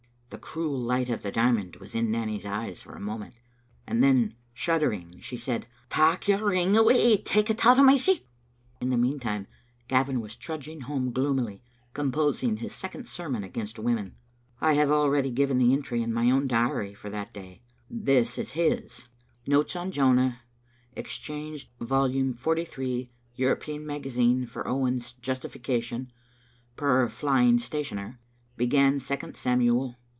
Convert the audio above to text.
The cruel light of the diamond was in Nanny's eyes for a moment, and then, shuddering, she said, "Tak your ring awa, tak it out o' my sicht" In the meantime Gavin was trudging home gloomily composing his second sermon against women: I have already given the entry in my own diary for that day: this is his: —" Notes on Jonah. Exchanged vol. xliii., 'European Magazine,' for Owen's 'Justification' {per flying stationer). Began Second Samuel.